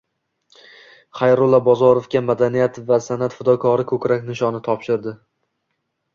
Xayrullo Bozorovga “Madaniyat va san’at fidokori” ko‘krak nishoni topshirildi